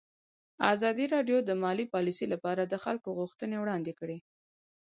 ازادي راډیو د مالي پالیسي لپاره د خلکو غوښتنې وړاندې کړي.